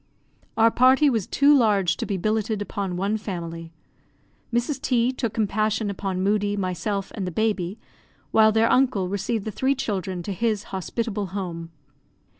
Our party was too large to be billetted upon one family. Mrs. T took compassion upon Moodie, myself, and the baby, while their uncle received the three children to his hospitable home.